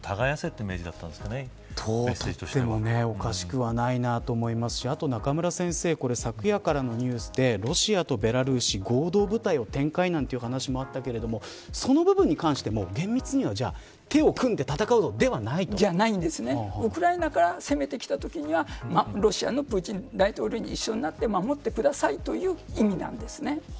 といってもおかしくはないと思いますしあと中村先生これ昨夜からのニュースでロシアとベラルーシ合同部隊を展開なんて話もあったけれどもその部分に関しても、厳密にはじゃないんですね。ウクライナが攻めてきたときにはプーチン大統領に一緒になって守ってくださいという意味なんです。